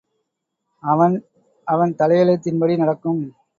அவன் அவன் தலையெழுத்தின்படி நடக்கும்.